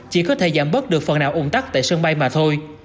chỉ có thể giảm bớt được phần nào ủng tắc tại sân bay mà thôi